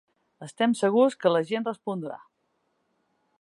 Estem segurs que la gent respondrà.